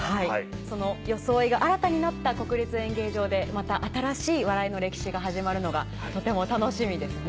その装いが新たになった国立演芸場でまた新しい笑いの歴史が始まるのがとても楽しみですね。